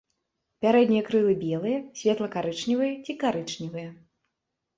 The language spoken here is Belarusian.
Пярэднія крылы белыя, светла-карычневыя ці карычневыя.